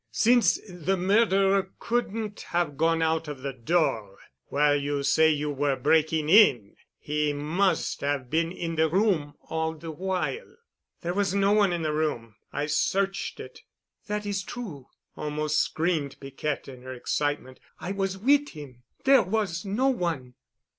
"Since the murderer couldn't have gone out of the door while you say you were breaking in, he must have been in the room all the while." "There was no one in the room. I searched it." "That is true," almost screamed Piquette in her excitement. "I was wit' 'im. There was no one."